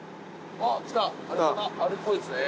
あれっぽいですね。